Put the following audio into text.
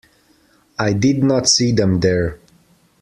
I did not see them there.